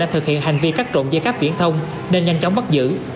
đang thực hiện hành vi cắt trộm dây cáp viễn thông nên nhanh chóng bắt giữ